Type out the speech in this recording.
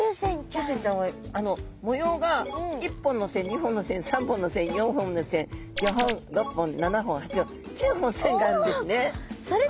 キュウセンちゃんは模様が１本の線２本の線３本の線４本の線５本６本７本８本９本線があるんですね。